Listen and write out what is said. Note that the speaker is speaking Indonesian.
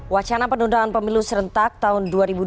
wacana penundaan pemilu serentak tahun dua ribu dua puluh